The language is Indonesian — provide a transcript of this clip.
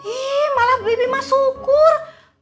ih malah bibi mah syukur